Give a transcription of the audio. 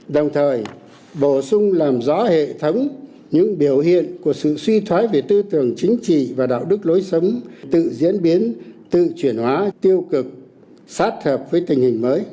đồng thời bổ sung làm rõ hệ thống những biểu hiện của sự suy thoái về tư tưởng chính trị và đạo đức lối sống tự diễn biến tự chuyển hóa tiêu cực sát hợp với tình hình mới